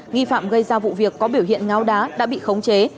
nghi phạm gây ra vụ việc có biểu hiện ngáo đá đã bị khống chế